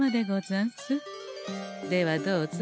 ではどうぞ。